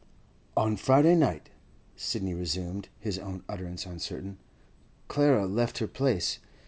'On Friday night,' Sidney resumed, his own utterance uncertain, 'Clara left her place.